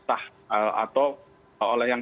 atau oleh yang